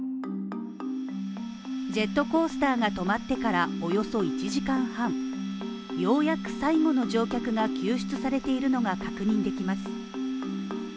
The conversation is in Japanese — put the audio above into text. ジェットコースターが止まってからおよそ１時間半、ようやく最後の乗客が救出されているのが確認できます